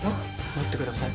待ってください